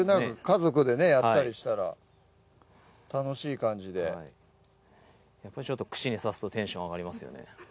家族でねやったりしたら楽しい感じでやっぱり串に刺すとテンション上がりますよね